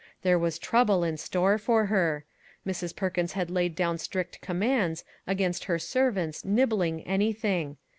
There was trouble in store for her. Mrs. Per kins had laid down strict commands against her servants " nibbling " anything.